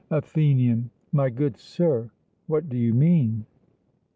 (ATHENIAN: My good sir, what do you mean?)